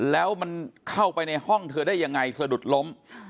แล้วมันเข้าไปในห้องเธอได้ยังไงสะดุดล้ม